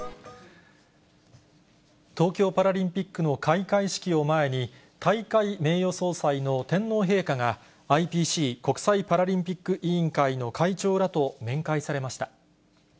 東京パラリンピックの開会式を前に、大会名誉総裁の天皇陛下が、ＩＰＣ・国際パラリンピック委員会の会長らと面会されました。